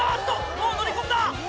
もう乗り込んだ！